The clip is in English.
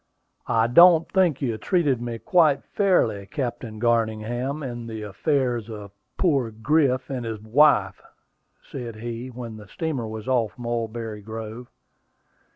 "I don't think you treated me quite fairly, Captain Garningham, in the affairs of poor Griff and his wife," said he, when the steamer was off Mulberry Grove.